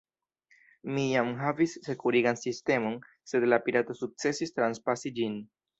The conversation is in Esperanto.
Ni jam havis sekurigan sistemon, sed la pirato sukcesis transpasi ĝin.